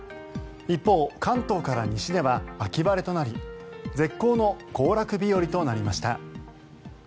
一方、関東から西では秋晴れとなり絶好の行楽日和となりました。